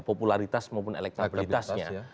popularitas maupun elektabilitasnya